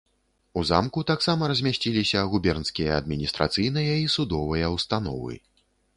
У замку таксама размясціліся губернскія адміністрацыйныя і судовыя ўстановы.